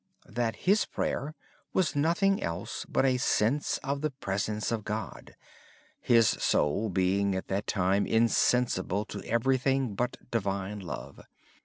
His own prayer was nothing else but a sense of the presence of God, his soul being at that time insensible to everything but Divine Love.